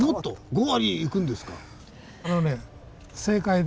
５割いくんですか？